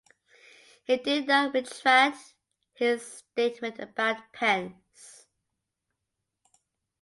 He did not retract his statement about Pence.